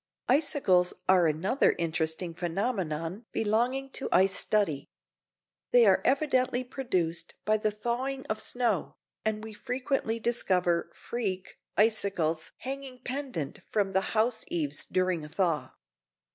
Icicles are another interesting phenomenon belonging to ice study. They are evidently produced by the thawing of snow, and we frequently discover "freak" icicles hanging pendent from the house eaves during a thaw.